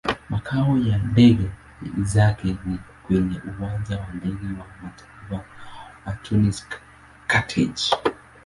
Makao ya ndege zake ni kwenye Uwanja wa Ndege wa Kimataifa wa Tunis-Carthage.